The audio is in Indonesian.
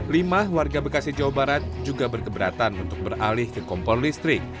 lima warga bekasi jawa barat juga berkeberatan untuk beralih ke kompor listrik